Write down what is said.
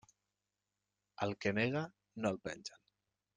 Al que nega, no el pengen.